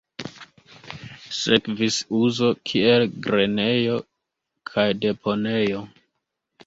Sekvis uzo kiel grenejo kaj deponejo.